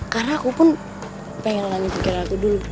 karena aku pun pengen lalangin pikiran aku dulu